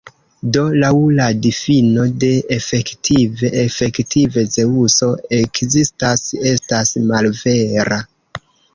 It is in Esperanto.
Do laŭ la difino de "efektive", "Efektive Zeŭso ekzistas" estas malvera.